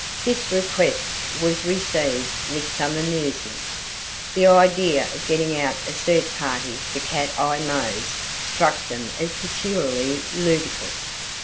This request was received with some amusement. The idea of getting out a search party for Cat Eye Mose struck them as peculiarly ludicrous.